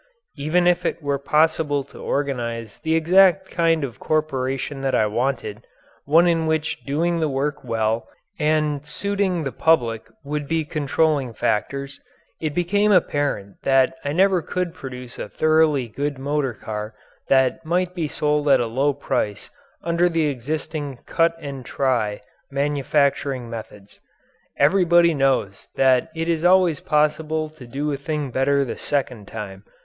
Even if it were possible to organize the exact kind of corporation that I wanted one in which doing the work well and suiting the public would be controlling factors it became apparent that I never could produce a thoroughly good motor car that might be sold at a low price under the existing cut and try manufacturing methods. Everybody knows that it is always possible to do a thing better the second time.